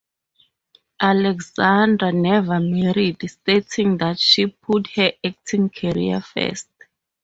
Alexander never married, stating that she put her acting career first.